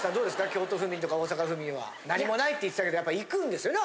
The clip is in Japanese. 京都府民とか大阪府民は何もないって言ってたけどやっぱり行くんですよね？